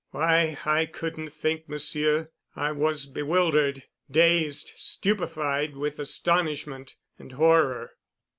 Why, I couldn't think, Monsieur. I was bewildered, dazed, stupefied with astonishment and horror."